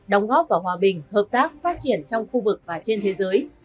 đóng góp vào hòa bình hợp tác phát triển trong khu vực và trên thế giới